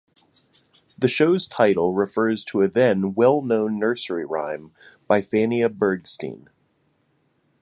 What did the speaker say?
The show's title refers to a then well-known nursery rhyme by Fania Bergstein.